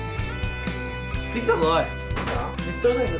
できたぞおい。